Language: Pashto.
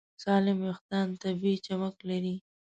سالم وېښتيان طبیعي چمک لري.